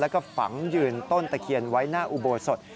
แล้วก็ฝังยืนต้นตะเคียนไว้หน้าอุโบสถ